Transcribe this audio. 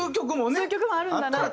そういう曲もあるんだなっていう。